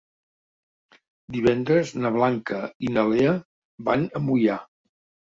Divendres na Blanca i na Lea van a Moià.